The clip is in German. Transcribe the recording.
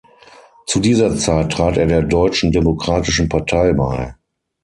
Zu dieser Zeit trat er der Deutschen Demokratischen Partei bei.